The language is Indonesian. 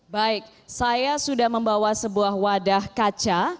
baik saya sudah membawa sebuah wadah kaca